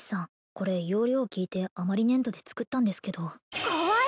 これ要領を聞いて余り粘土で作ったんですけど可愛い！